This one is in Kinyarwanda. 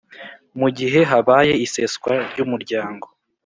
Mu gihe habaye iseswa ry umuryango